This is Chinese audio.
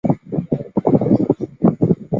原先的位置在维兹亚州立大学仍然可以找到。